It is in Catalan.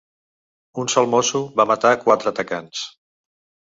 Un sol mosso va matar quatre atacants.